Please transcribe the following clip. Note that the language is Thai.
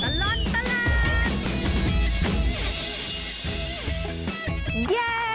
ชั่วตลอดตลาด